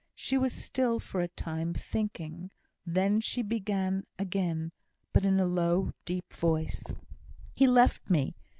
She was still for a time, thinking. Then she began again, but in a low, deep voice, "He left me.